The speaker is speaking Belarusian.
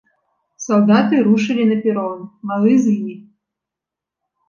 Салдаты рушылі на перон, малы з імі.